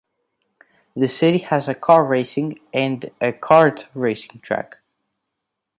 The city has a car racing and a kart racing track.